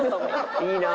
いいなあ。